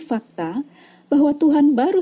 fakta bahwa tuhan baru